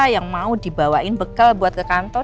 yang mau dibawain bekal buat ke kantor